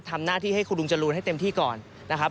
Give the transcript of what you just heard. ทำหน้าที่ให้คุณลุงจรูนให้เต็มที่ก่อนนะครับ